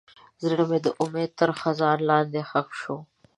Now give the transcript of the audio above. زړه مې د امید تر خزان لاندې ښخ شو.